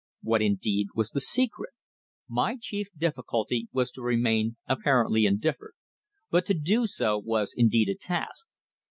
What, indeed, was the secret? My chief difficulty was to remain apparently indifferent. But to do so was indeed a task.